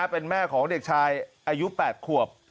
เป็นแม่ของเด็กชายอายุ๘ขวบ